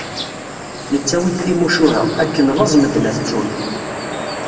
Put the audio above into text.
Nettawi-d timucuha, akken laẓ medden ad t-ttun.